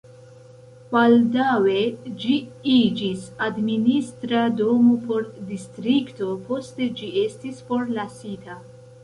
Baldaŭe ĝi iĝis administra domo por distrikto, poste ĝi estis forlasita.